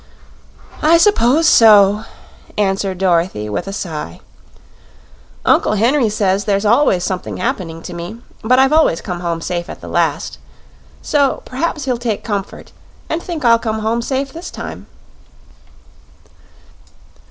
"I s'pose so," answered Dorothy with a sigh. "Uncle Henry says there's ALWAYS something happening to me; but I've always come home safe at the last. So perhaps he'll take comfort and think I'll come home safe this time."